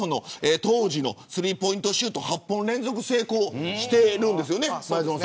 当時のスリーポイントシュート８本連続成功してるんですよね。